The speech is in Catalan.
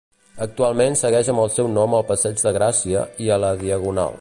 Actualment segueix amb el seu nom al Passeig de Gràcia i a la Diagonal.